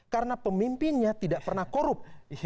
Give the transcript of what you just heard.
karena pemimpinnya tidak pernah korup